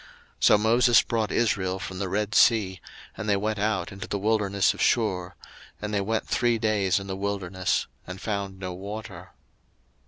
02:015:022 So Moses brought Israel from the Red sea, and they went out into the wilderness of Shur; and they went three days in the wilderness, and found no water.